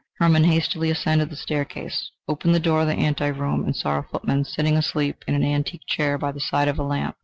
Hermann hastily ascended the staircase, opened the door of the ante room and saw a footman sitting asleep in an antique chair by the side of a lamp.